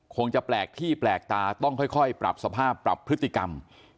คงจะแปลกที่แปลกตาต้องค่อยปรับสภาพปรับพฤติกรรม